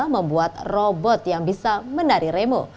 membuat robot yang bisa menari remo